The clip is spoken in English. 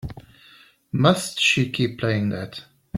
Must she keep playing that?